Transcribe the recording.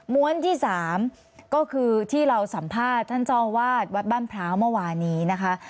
้วนที่๓ก็คือที่เราสัมภาษณ์ท่านเจ้าวาดวัดบ้านพร้าวเมื่อวานนี้นะคะ